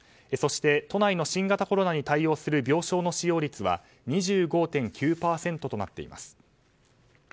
そして都内の新型コロナに対応する病床の使用率は２５．９％となっています。